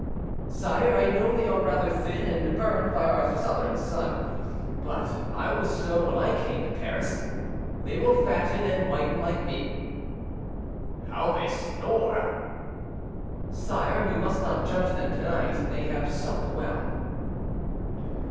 "Sire, I know they are rather thin and burned by our southern sun, but I was so when I came to Paris. They will fatten and whiten like me." "How they snore!" "Sire, you must not judge them to night; they have supped well."